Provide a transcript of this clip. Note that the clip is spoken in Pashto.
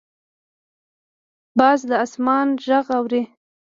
باز د اسمان غږ اوري